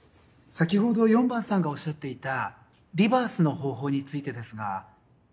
先ほど４番さんがおっしゃっていたリバースの方法についてですが。